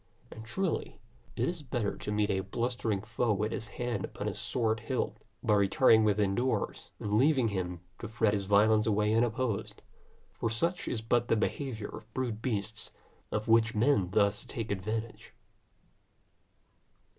And truly, it is better to meet a blustering foe with his hand upon his sword hilt, by retiring within doors, and leaving him to fret his violence away unopposed; for such is but the behaviour of brute beasts, of which men thus take advantage.